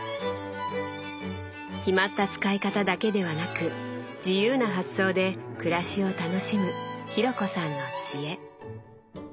決まった使い方だけではなく自由な発想で暮らしを楽しむ紘子さんの知恵。